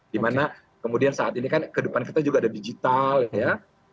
dimana kemudian saat ini kan kehidupan kita juga ada digital ya